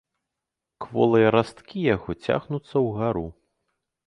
Кволыя расткі яго цягнуцца ўгару.